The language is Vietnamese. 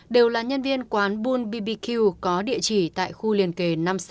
đều là nhân viên quán bull bbq có địa chỉ tại khu liên kề năm mươi sáu